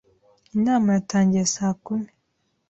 Inama yatangiye saa kumi.